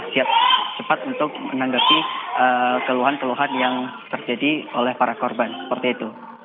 siap cepat untuk menanggapi keluhan keluhan yang terjadi oleh para korban seperti itu